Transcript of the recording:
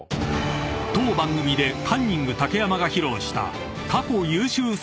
［当番組でカンニング竹山が披露した］